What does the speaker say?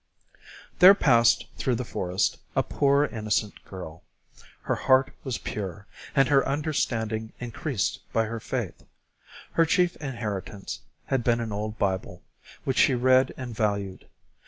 There passed through the forest a poor innocent girl; her heart was pure, and her understanding increased by her faith. Her chief inheritance had been an old Bible, which she read and valued.